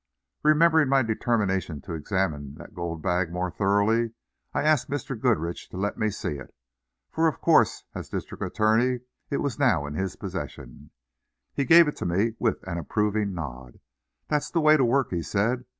Remembering my determination to examine that gold bag more thoroughly I asked Mr. Goodrich to let me see it, for of course, as district attorney, it was now in his possession. He gave it to me with an approving nod. "That's the way to work," he said.